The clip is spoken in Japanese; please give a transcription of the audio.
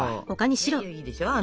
いいでしょ。